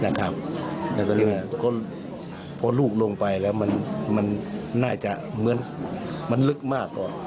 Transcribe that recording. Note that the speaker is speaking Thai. ก็เหมือนพอลูกลงไปแล้วมันน่าจะเกิดลึกมาก